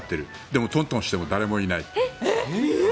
でも、トントンしても誰もいない。